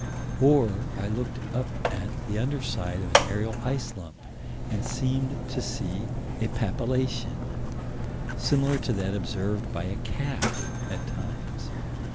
Or I looked up at the under side of an aerial ice lump, and seemed to see a papillation similar to that observed by a calf at times.